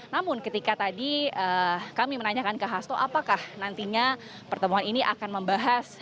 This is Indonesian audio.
namun ketika tadi kami menanyakan ke hasto apakah nantinya pertemuan ini akan membahas